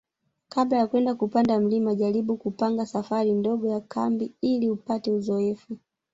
Kabla ya kwenda kupanda mlima jaribu kupanga safari ndogo ya kambi ili upate uzoefu